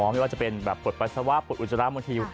ไม่ว่าจะเป็นแบบปลดปัสสาวะปลดอุจจาระบางที